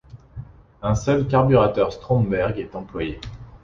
Un seul carburateur Stromberg est employé.